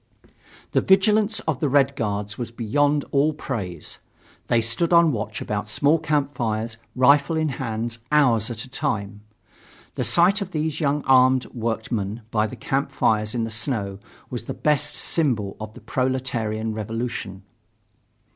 The vigilance of the Red Guards was beyond all praise. They stood on watch about small camp fires, rifle in hand, hours at a time. The sight of these young armed workmen by the camp fires in the snow was the best symbol of the proletarian revolution.